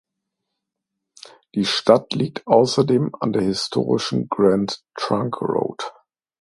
Die Stadt liegt außerdem an der historischen Grand Trunk Road.